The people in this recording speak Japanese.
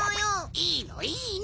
いいのいいの。